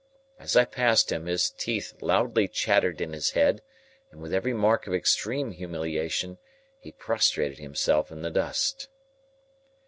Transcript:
As I passed him, his teeth loudly chattered in his head, and with every mark of extreme humiliation, he prostrated himself in the dust.